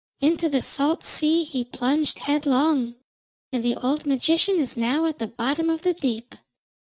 Into the salt sea he plunged headlong, and the old magician is now at the bottom of the deep.'